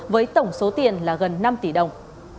với tổng số tiền là gần năm tỷ đồng